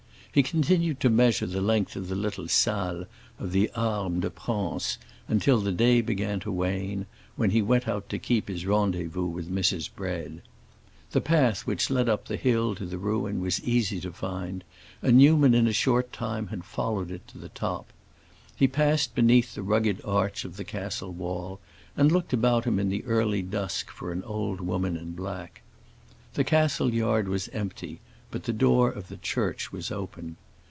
He continued to measure the length of the little salle of the Armes de France until the day began to wane, when he went out to keep his rendezvous with Mrs. Bread. The path which led up the hill to the ruin was easy to find, and Newman in a short time had followed it to the top. He passed beneath the rugged arch of the castle wall, and looked about him in the early dusk for an old woman in black. The castle yard was empty, but the door of the church was open.